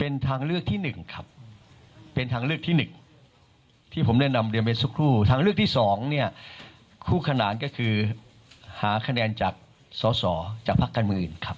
เป็นทางเลือกที่๑ครับเป็นทางเลือกที่๑ที่ผมได้นำเรียนไปสักครู่ทางเลือกที่สองเนี่ยคู่ขนานก็คือหาคะแนนจากสอสอจากพักการเมืองอื่นครับ